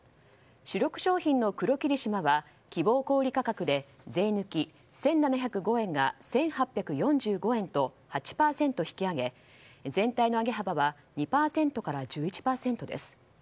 主力商品の黒霧島は希望小売価格で税抜き１７０５円が１８４５円と８％引き上げ、全体の上げ幅は２％から１１％です。